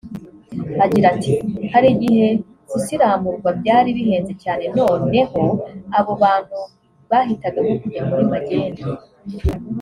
Agira ati “…hari igihe gusiramurwa byari bihenze cyane noneho abo bantu bahitagamo kujya muri magendu